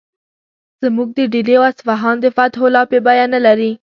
زموږ د ډیلي او اصفهان د فتحو لاپې بیه نه لري.